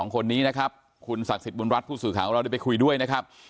คนนี้นะครับคุณศักดิ์สิทธิบุญรัฐผู้สื่อข่าวของเราได้ไปคุยด้วยนะครับ